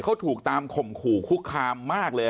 เขาถูกตามข่มขู่คุกคามมากเลย